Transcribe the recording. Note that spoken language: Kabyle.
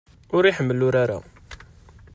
Ur iḥemmel urar-a.